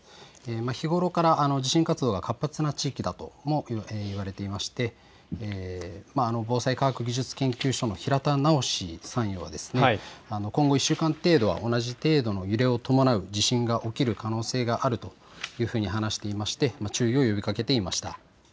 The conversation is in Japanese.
日頃から地震活動が活発な地域だとも言われていまして、防災科学技術研究所の平田直参与は今後１週間程度は同じ程度の揺れを伴う地震が起きる可能性があるというふうに話していまして、注意を呼びかけていました。